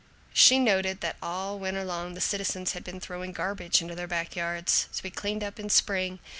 She noted that all winter long the citizens had been throwing garbage into their back yards, to be cleaned up in spring.